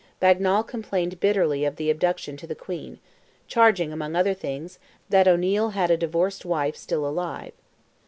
Bagnal complained bitterly of the abduction to the Queen, charging, among other things, that O'Neil had a divorced wife still alive.